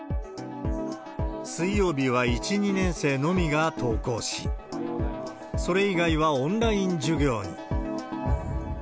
水曜日は１、２年生のみが登校し、それ以外はオンライン授業に。